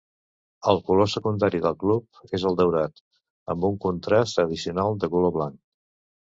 El color secundari del club és el daurat, amb un contrast addicional de color blanc.